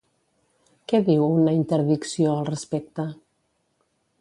Què diu una interdicció al respecte?